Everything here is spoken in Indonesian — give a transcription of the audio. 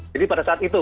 jadi pada saat itu